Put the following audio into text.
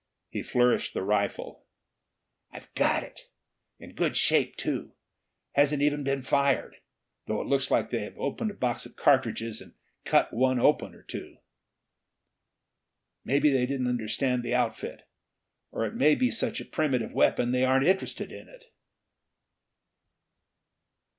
He flourished the rifle. "I've got it! In good shape, too. Hasn't even been fired, though it looks like they have opened a box of cartridges, and cut open one or two. Maybe they didn't understand the outfit or it may be such a primitive weapon that they aren't interested in it."